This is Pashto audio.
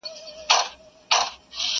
پر امیر باندي هغه ګړی قیامت سو؛